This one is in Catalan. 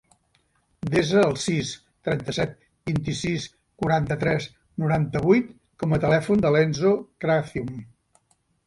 Desa el sis, trenta-set, vint-i-sis, quaranta-tres, noranta-vuit com a telèfon de l'Enzo Craciun.